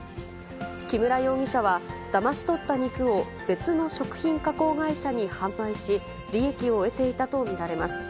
木村容疑者は、だまし取った肉を別の食品加工会社に販売し、利益を得ていたと見られます。